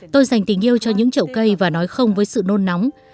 tôi dành tình yêu cho những trậu cây và nói không với sự nôn nóng